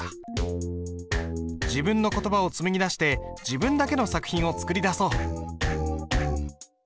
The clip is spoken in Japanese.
自分の言葉を紡ぎ出して自分だけの作品を作り出そう。